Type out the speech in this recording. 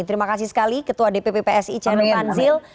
terima kasih sekali ketua dpp psi caryl tanzil